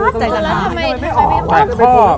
แล้วทำไมไม่ออก